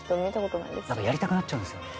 なんかやりたくなっちゃうんですよね。